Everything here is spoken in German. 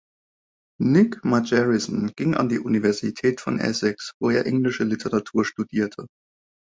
Nick Margerrison ging an die Universität von Essex, wo er englische Literatur studierte.